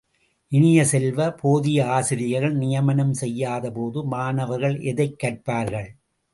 இனிய செல்வ, போதிய ஆசிரியர்கள் நியமனம் செய்யாத போது மாணவர்கள் எதைக் கற்பார்கள்?